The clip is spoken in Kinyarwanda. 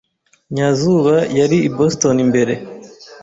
Nyazuba yari i Boston mbere.